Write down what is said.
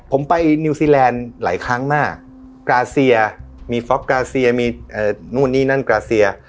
ผมไปนิวซีแลนด์หลายครั้งมากกราเซียมีฟ็อกกราเซียมีนู่นนี่นั่นกราเซีย